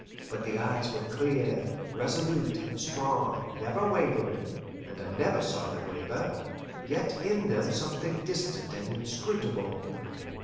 But the eyes were clear, resolute, and strong, never wavering and I never saw them waver yet in them something distant and inscrutable.